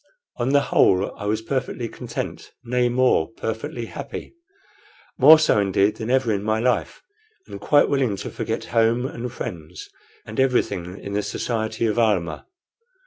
On the whole, I was perfectly content nay, more, perfectly happy; more so, indeed, than ever in my life, and quite willing to forget home and friends and everything in the society of Almah.